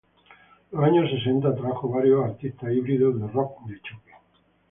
Los años sesenta trajo varios artistas híbridos de rock de choque.